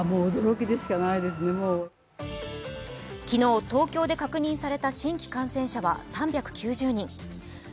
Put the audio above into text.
昨日、東京で確認された新規感染者は３９０人。